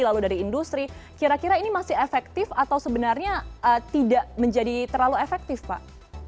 lalu dari industri kira kira ini masih efektif atau sebenarnya tidak menjadi terlalu efektif pak